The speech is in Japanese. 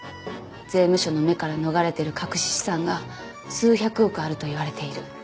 税務署の目から逃れてる隠し資産が数百億あるといわれている。